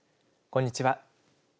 こんにちは。